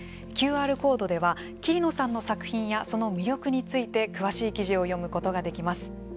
ＱＲコードでは桐野さんの作品やその魅力について詳しい記事を読むことができます。